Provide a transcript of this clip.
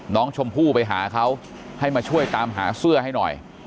น้องชมพู่ไปหาเขาให้มาช่วยตามหาเสื้อให้หน่อย